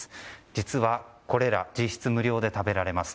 実はこれら実質無料で食べられます。